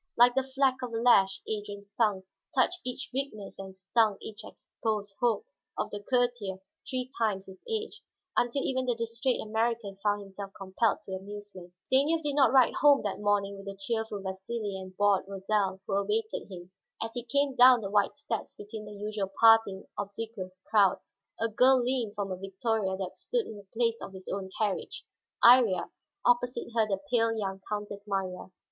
Like the fleck of a lash Adrian's tongue touched each weakness and stung each exposed hope of the courtier three times his age, until even the distrait American found himself compelled to amusement. Stanief did not ride home that morning with the cheerful Vasili and bored Rosal, who awaited him. As he came down the wide steps between the usual parting, obsequious crowds, a girl leaned from a victoria that stood in the place of his own carriage, Iría, opposite her the pale young Countess Marya.